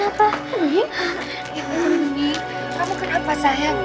kamu kenapa sayang